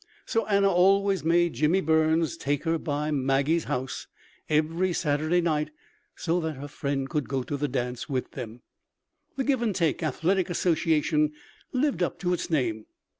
So Anna always made Jimmy Burns take her by Maggie's house every Saturday night so that her friend could go to the dance with them. The Give and Take Athletic Association lived up to its name.